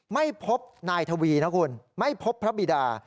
ไม่พบนายทวีนะคุณไม่พบพระบิดา